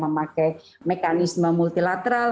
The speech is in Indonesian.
memakai mekanisme multilateral